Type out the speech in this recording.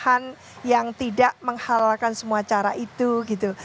pekerjaan yang tidak menghalalkan semua cara itu gitu